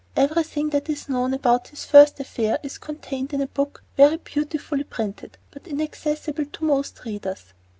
Everything that is known about his first affair is contained in a book very beautifully printed, but inaccessible to most readers.